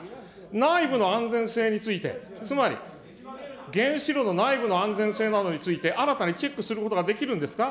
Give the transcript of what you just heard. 内部の安全性について、つまり原子炉の内部の安全性などについて、新たにチェックすることができるんですか。